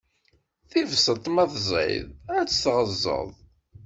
Tibṣelt ma tẓiḍ, ad tt-tɣeẓẓeḍ.